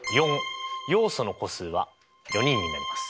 要素の個数は４人になります。